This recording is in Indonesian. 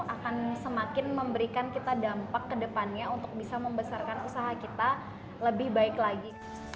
akan semakin memberikan kita dampak ke depannya untuk bisa membesarkan usaha kita lebih baik lagi